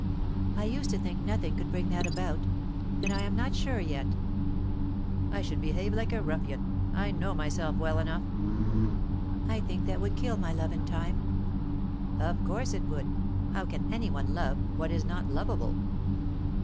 "I used to think nothing could bring that about. And I am not sure yet." "I should behave like a ruffian. I know myself well enough." "I think that would kill my love in time." "Of course it would. How can any one love what is not lovable?"